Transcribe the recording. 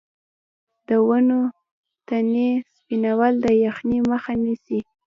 د ونو تنې سپینول د یخنۍ مخه نیسي؟